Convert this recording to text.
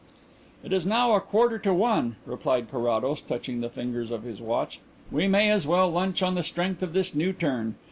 "It is now a quarter to one," replied Carrados, touching the fingers of his watch. "We may as well lunch on the strength of this new turn.